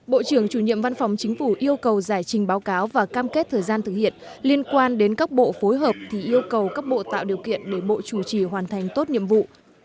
bộ trưởng chủ nhiệm văn phòng chính phủ yêu cầu giải trình báo cáo và cam kết thời gian thực hiện liên quan đến các bộ phối hợp thì yêu cầu các bộ tạo điều kiện để bộ chủ trì hoàn thành tốt nhiệm vụ